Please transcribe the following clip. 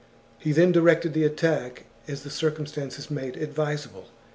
He then directed the attack as the cir cumstances made advisable.